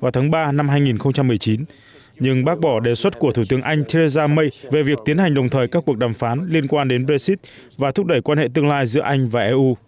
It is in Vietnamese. vào tháng ba năm hai nghìn một mươi chín nhưng bác bỏ đề xuất của thủ tướng anh theresa may về việc tiến hành đồng thời các cuộc đàm phán liên quan đến brexit và thúc đẩy quan hệ tương lai giữa anh và eu